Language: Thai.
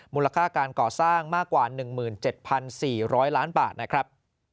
มูลค่าการก่อสร้างมากกว่า๑๗๔๐๐ล้านบาทนะครับ